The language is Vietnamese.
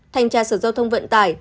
thành tra sở giao thông vận tải